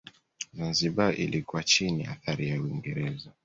Zanzibar ilikuwa chini ya athari ya Uingereza